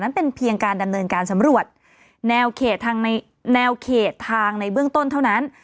นัดเป็นเพียงการดันเนินการสำรวจแนวเขตทางในเบื้องต้นเท่านั้น